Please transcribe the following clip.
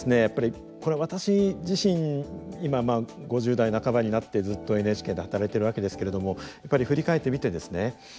やっぱりこれ私自身今まあ５０代半ばになってずっとＮＨＫで働いてるわけですけれどもやっぱり振り返ってみてですね